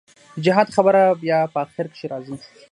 د جهاد خبره بيا په اخر کښې رځي.